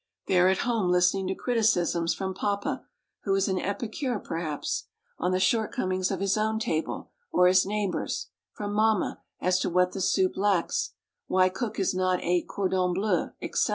They are at home listening to criticisms from papa, who is an epicure perhaps, on the shortcomings of his own table, or his neighbors'; from mamma, as to what the soup lacks, why cook is not a "cordon bleu," etc.